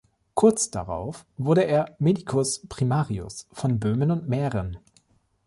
Kurz darauf wurde er "Medicus Primarius" von Böhmen und Mähren.